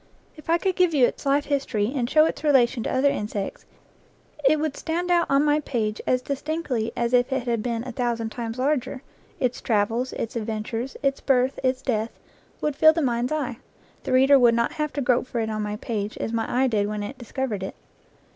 If I could give you its life history, and show its relation to other insects, it would stand out on my page as distinctly as if it had been a thousand times larger: its travels, its adventures, its birth, its death, would fill the mind's eye; the reader would not have to grope for it on my page, as my eye did when it discovered it.